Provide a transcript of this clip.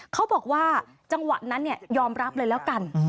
เขาบอกว่าจังหวะนั้นยอมรับเลยแล้วกัน